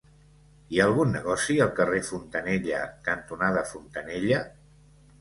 Hi ha algun negoci al carrer Fontanella cantonada Fontanella?